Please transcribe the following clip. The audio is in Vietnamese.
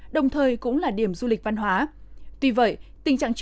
đồng thời cũng là điểm du lịch văn hóa